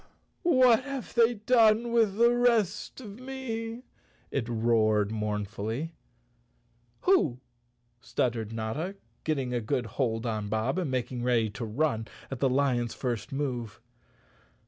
" What have they done with the rest of me ?" it roared mournfully. "Who?" stuttered Notta, getting a good hold on Bob and making ready to run at the lion's first move.